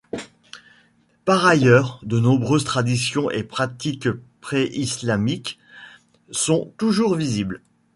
Par ailleurs, de nombreuses traditions et pratiques pré-islamiques sont toujours visibles.